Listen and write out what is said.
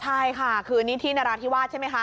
ใช่ค่ะคือนี่ที่นาราธิวาตนะ